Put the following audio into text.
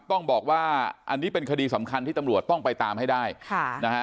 ต้องบอกว่าอันนี้เป็นคดีสำคัญที่ตำรวจต้องไปตามให้ได้ค่ะนะฮะ